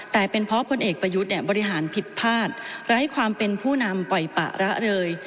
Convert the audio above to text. แต่เป็นเพราะพลเอกประยุทธ์เนี่ยบริหารผิดพลาดไร้ความเป็นผู้นำปล่อยปะระเลย